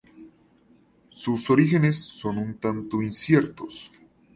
Sus orígenes son un tanto inciertos.